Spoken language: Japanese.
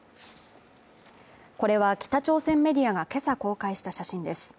これは北朝鮮メディアが今朝公開した写真です。